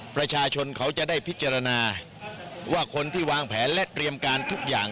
ประชาชนเขาจะได้พิจารณาว่าคนที่วางแผนและเตรียมการทุกอย่าง